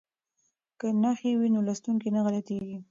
که نښې وي نو لوستونکی نه غلطیږي.